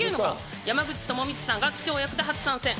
山口智充さんが機長役で初参戦。